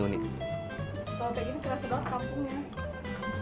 kalau pakai ini kerasa banget kampungnya